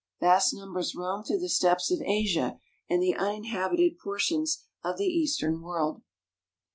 Vast numbers roam through the steppes of Asia and the uninhabited portions of the Eastern world.